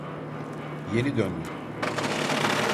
Yeni döndüm.